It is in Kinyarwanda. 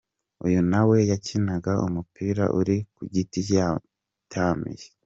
Uyu nawe yakinaga umupira uri ku giti yatamiye.